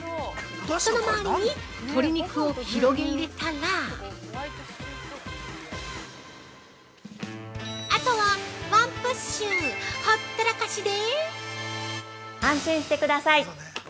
その周りに鶏肉を広げ入れたらあとはワンプッシュほったらかしで◆